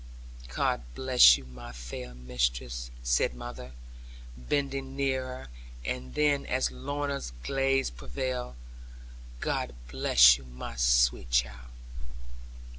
'God bless you, my fair mistress!' said mother, bending nearer, and then as Lorna's gaze prevailed, 'God bless you, my sweet child!'